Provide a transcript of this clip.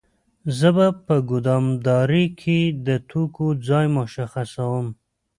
زه په ګدامدارۍ کې د توکو ځای مشخصوم.